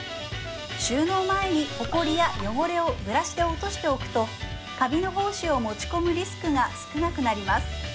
収納前にほこりや汚れをブラシで落としておくとカビの胞子を持ち込むリスクが少なくなります